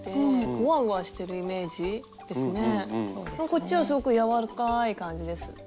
こっちはすごくやわらかい感じです。